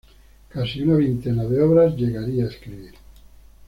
Casi una veintena de obras llegaría a escribir.